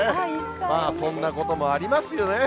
そんなこともありますよね。